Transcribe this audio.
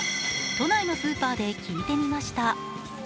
都内のスーパーで聞いてみました。